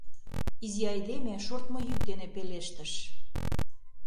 — изи айдеме шортмо йӱк дене пелештыш.